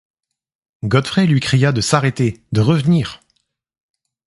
Godfrey lui cria de s’arrêter, de revenir!...